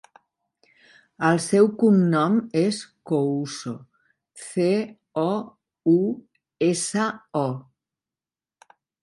El seu cognom és Couso: ce, o, u, essa, o.